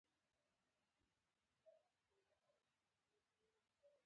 زده کړه د ژوند رڼا ده. باید هر انسان زده کړه وه کوی